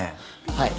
はい。